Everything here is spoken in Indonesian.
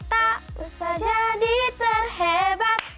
tak usah jadi terhebat